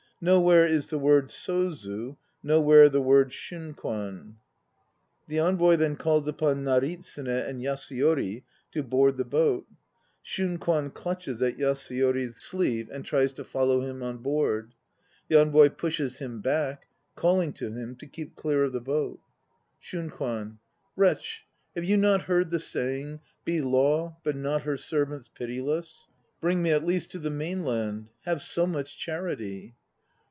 Nowhere is the word Sozu, 1 nowhere the word Shunkwan. (The ENVOY then calls upon NARITSUNE and YASUYORI to board the boat. SHUNKWAN clutches at YASUYORI'S i Priest. 232 THE NO PLAYS OF JAPAN sleeve and tries to follow him on board. The ENVOY pushes him back, calling to him to keep clear of the boat.) SHUNKWAN. Wretch, have you not heard the saying: "Be law, but not her servants, pitiless." Bring me at least to the mainland. Have so much charity!